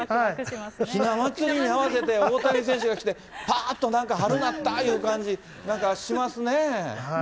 ひな祭りに合わせて大谷選手が来て、ぱーっとなんか、春なったいう感じ、なんかしますね。